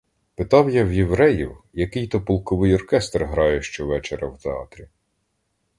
Питав я в євреїв, який то полковий оркестр грає щовечора в театрі?